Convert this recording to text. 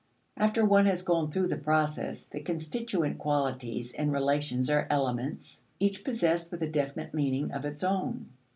After one has gone through the process, the constituent qualities and relations are elements, each possessed with a definite meaning of its own.